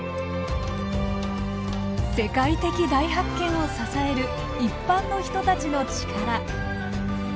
世界的大発見を支える一般の人たちの力。